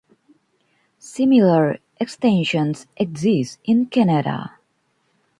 Similar extensions exist in Canada.